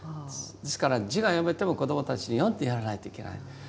ですから字が読めても子どもたちに読んでやらないといけない。